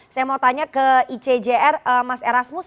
saya mau tanya ke icjr mas erasmus